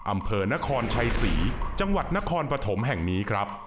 อำเภอนครชัยศรีจังหวัดนครปฐมแห่งนี้ครับ